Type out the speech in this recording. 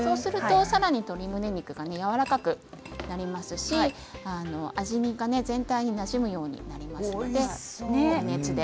さらに鶏むね肉がやわらかくなりますし味が全体になじむようになります余熱で。